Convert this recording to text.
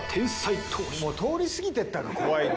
もう通り過ぎてったが怖い。